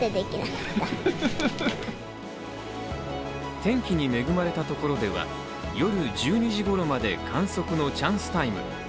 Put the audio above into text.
天気に恵まれたところでは夜１２時ごろまで観測のチャンスタイム。